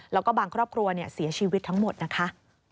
แล้วก็บางครอบครัวเสียชีวิตทั้งหมดนะคะ